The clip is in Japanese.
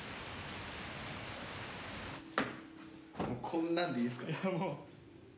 こんなんでいいですか。